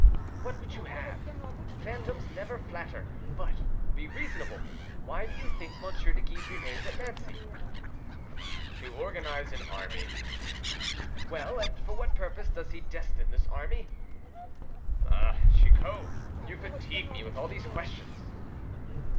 "What would you have? Phantoms never flatter. But be reasonable; why do you think M. de Guise remains at Nancy?" "To organize an army." "Well; and for what purpose does he destine this army?" "Ah, Chicot! you fatigue me with all these questions."